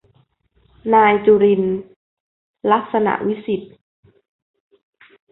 นายจุรินทร์ ลักษณวิศิษฏ์